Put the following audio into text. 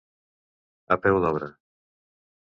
A peu d'obra.